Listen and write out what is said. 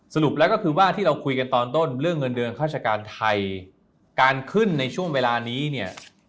สรุปแล้วก็คือว่าที่เราคุยกันตอนต้นเรื่องเงินเดือนข้าราชการไทยการขึ้นในช่วงเวลานี้เนี่ย